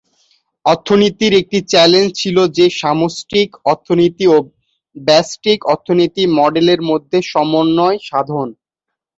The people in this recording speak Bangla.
অর্থনীতির একটি চ্যালেঞ্জ ছিল যে সামষ্টিক অর্থনীতি ও ব্যষ্টিক অর্থনীতি মডেলের মধ্যে সমন্বয় সাধন।